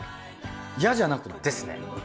嫌じゃなくない？ですね。